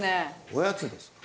おやつですか？